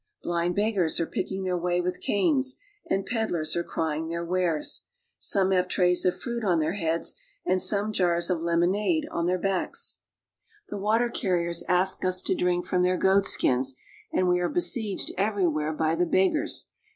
Blind beggars are picking their way with canes, and peddlers are crying their wares. Some have trays of fruit on their heads and some jars of lemonade on their backs. 4 i w I The water carriers ask us to drink from their goatskins, and we are besieged everywhere by the beggars.